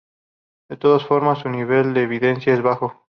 De todas formas, su nivel de evidencia es bajo.